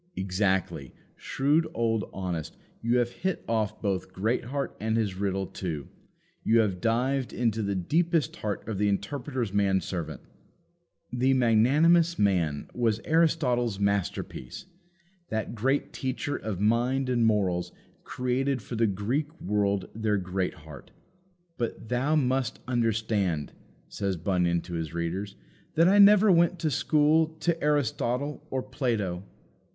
Exactly; shrewd old Honest; you have hit off both Greatheart and his riddle too. You have dived into the deepest heart of the Interpreter's man servant. "The magnanimous man" was Aristotle's masterpiece. That great teacher of mind and morals created for the Greek world their Greatheart. But, "thou must understand," says Bunyan to his readers, "that I never went to school to Aristotle or Plato.